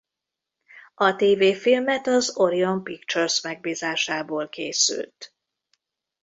A tévéfilmet az Orion Pictures megbízásából készült.